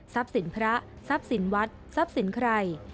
สินพระทรัพย์สินวัดทรัพย์สินใคร